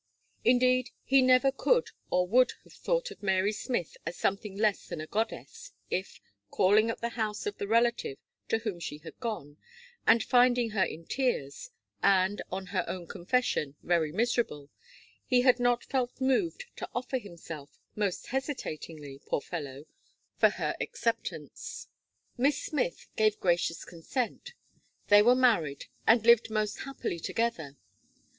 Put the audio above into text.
Indeed, he never could or would have thought of Mary Smith as something less than a goddess, if, calling at the house of the relative to whom she had gone, and finding her in tears, and, on her own confession, very miserable, he had not felt moved to offer himself, most hesitatingly, poor fellow I for her acceptance. Miss Smith gave gracious consent. They were married, and lived most happily together.